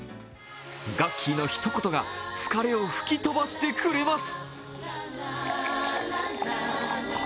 ガッキーの一言が、疲れを吹き飛ばしてくれます。